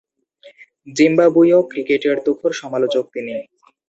জিম্বাবুয়ীয় ক্রিকেটের তুখোড় সমালোচক তিনি।